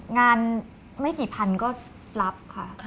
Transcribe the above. งานไม่กี่พันก็รับค่ะ